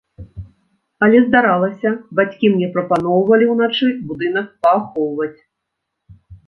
Але, здаралася, бацькі мне прапаноўвалі ўначы будынак паахоўваць.